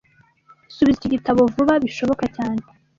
Subiza iki gitabo vuba bishoboka cyane